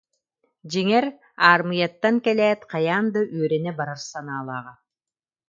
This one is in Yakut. Дьиҥэр, аармыйаттан кэлээт хайаан да үөрэнэ барар санаалааҕа